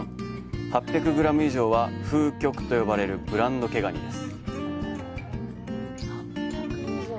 ８００グラム以上は「風極」と呼ばれるブランド毛ガニです。